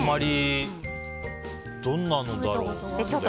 どんなのだろう。